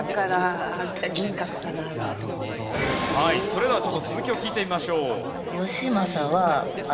それではちょっと続きを聞いてみましょう。